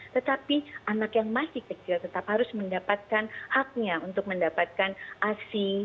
tetapi anak yang masih kecil tetap harus mendapatkan haknya untuk mendapatkan asi